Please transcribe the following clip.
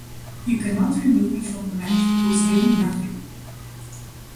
You can not remove me from the match because you're nothing.